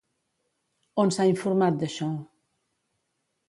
On s'ha informat d'això?